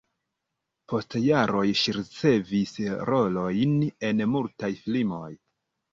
Post jaroj ŝi ricevis rolojn en mutaj filmoj.